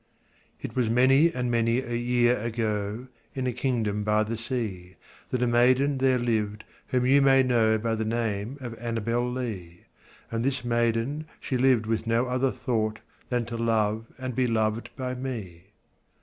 5 It was many and many a year ago, In a kingdom by the sea, That a maiden there lived whom you may know By the name of ANNABEL LEE; And this maiden she lived with no other thought Than to love and be loved by me.